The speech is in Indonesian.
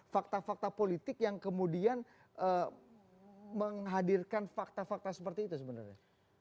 fakta fakta politik yang kemudian menghadirkan fakta fakta seperti itu sebenarnya